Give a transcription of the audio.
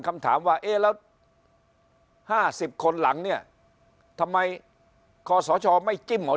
คำถามว่าเอ๊ะแล้ว๕๐คนหลังเนี่ยทำไมคอสชไม่จิ้มเหรอ